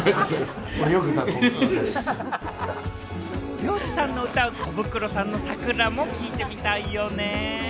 Ｒｙｏｊｉさんの歌うコブクロさんの『桜』も聴いてみたいよね。